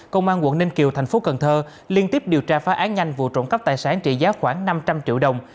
công an quận ninh kiều thành phố cần thơ liên tiếp điều tra phá án nhanh vụ trộm cắp tài sản trị giá khoảng năm trăm linh triệu đồng